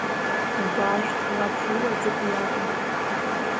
Убаашәт, уаб ҳилаӡеит, уи акәым…